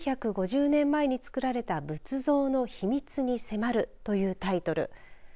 ４５０年前に作られた仏像の秘密に迫るというタイトル。